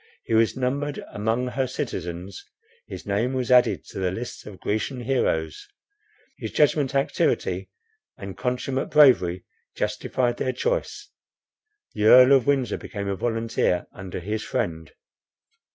He was numbered among her citizens, his name was added to the list of Grecian heroes. His judgment, activity, and consummate bravery, justified their choice. The Earl of Windsor became a volunteer under his friend.